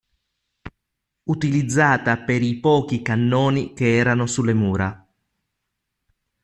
Utilizzata per i pochi cannoni che erano sulle mura.